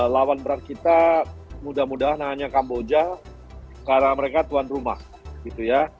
lawan berat kita mudah mudahan hanya kamboja karena mereka tuan rumah gitu ya